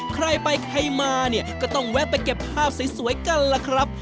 ใครไปใครมาเนี่ยก็ต้องแวะไปเก็บภาพสวยกันล่ะครับ